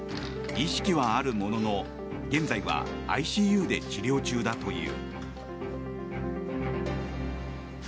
意識はあるものの現在はＩＣＵで治療中だという。